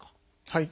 はい。